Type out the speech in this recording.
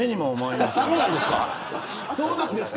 そうなんですか。